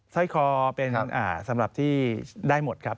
สร้อยคอเป็นสำหรับที่ได้หมดครับ